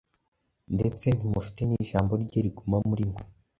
Ndetse ntimufite n’Ijambo rye riguma muri mwe,